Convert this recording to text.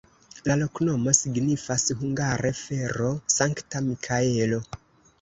La loknomo signifas hungare: fero-Sankta Mikaelo.